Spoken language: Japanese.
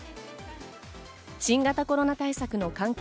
新型コロナ対策の関係